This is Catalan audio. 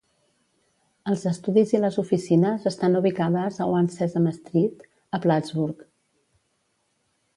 Els estudis i les oficines estan ubicades a One Sesame Street a Plattsburgh.